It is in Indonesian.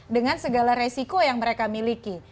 dengan segala resiko yang mereka miliki